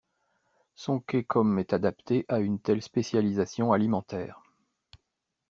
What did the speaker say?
Son cæcum est adapté à une telle spécialisation alimentaire.